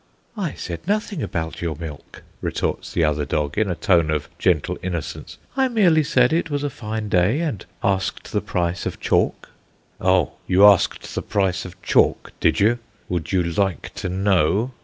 "I said nothing about your milk," retorts the other dog, in a tone of gentle innocence. "I merely said it was a fine day, and asked the price of chalk." "Oh, you asked the price of chalk, did you? Would you like to know?"